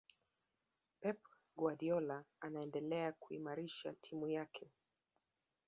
pep guardiola anaendelea kuimarisha timu yake